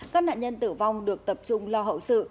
các nạn nhân tử vong được tập trung lo hậu sự